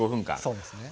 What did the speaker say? そうですね。